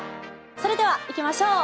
それではいきましょう。